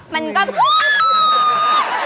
มันก็ว้าว